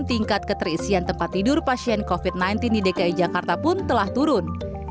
tingkat keterisian tempat tidur pasien covid sembilan belas di dki jakarta pun telah turun